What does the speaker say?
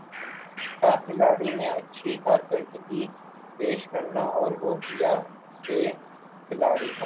کَیا کھلاڑی نے اچھی کارکردگی پیش کرنا اور وُہ کَیا سے کھلاڑی ہونا